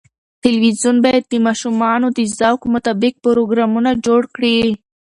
تلویزیون باید د ماشومانو د ذوق مطابق پروګرامونه جوړ کړي.